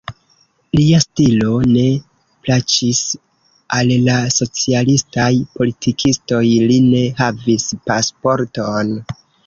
Lia stilo ne plaĉis al la socialistaj politikistoj, li ne havis pasporton.